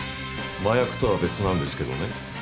麻薬とは別なんですけどね